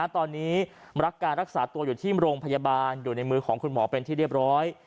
ตอนนี้รับการรักษาตัวอยู่ที่โรงพยาบาลอยู่ในมือของคุณหมอเป็นที่เรียบร้อย